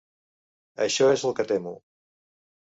Això és el que temo.